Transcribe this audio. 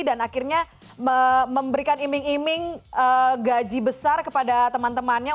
dan akhirnya memberikan iming iming gaji besar kepada teman temannya